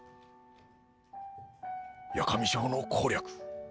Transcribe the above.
八上城の攻略。